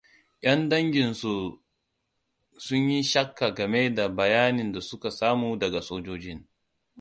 'Yan dangin sun yi shakka game da bayanin da suka samu daga sojojin.